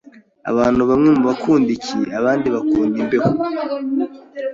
Abantu bamwe bakunda icyi, abandi bakunda imbeho.